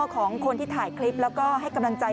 ของคนที่ถ่ายคลิปแล้วก็ให้กำลังใจ